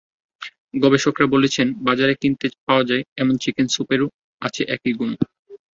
গবেষকেরা বলছেন, বাজারে কিনতে পাওয়া যায়, এমন চিকেন স্যুপেরও আছে একই গুণ।